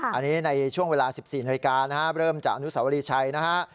อันนี้ในช่วงเวลา๑๔นาฬิกานะครับเริ่มจากอนุสาวรีชัยนะฮะ